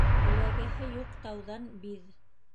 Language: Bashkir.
Күләгәһе юҡ тауҙан биҙ.